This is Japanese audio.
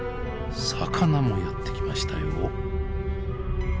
魚もやって来ましたよ。